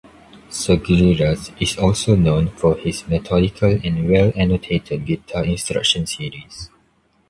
Sagreras is also known for his methodical and well-annotated guitar instruction series.